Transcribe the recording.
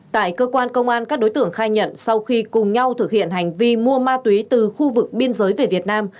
tại cơ quan công an các đối tượng khai nhận sau khi cùng nhau thực hiện hành vi mua ma túy từ khu vực biên giới về việt nam